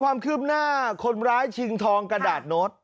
ความคืบหน้าคนร้ายชิงทองกระดาษโน้ต